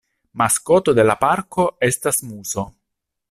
Maskoto de la parko estas muso.